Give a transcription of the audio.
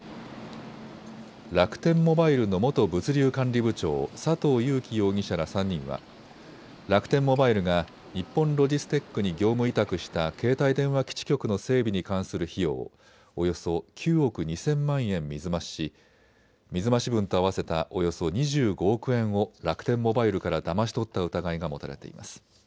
楽天モバイルの元物流管理部長、佐藤友紀容疑者ら３人は楽天モバイルが日本ロジステックに業務委託した携帯電話基地局の整備に関する費用をおよそ９億２０００万円水増しし水増し分と合わせたおよそ２５億円を楽天モバイルからだまし取った疑いが持たれています。